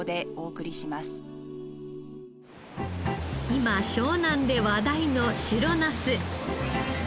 今湘南で話題の白ナス。